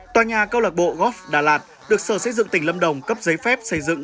tòa nhà câu lạc bộ góp đà lạt được sở xây dựng tỉnh lâm đồng cấp giấy phép xây dựng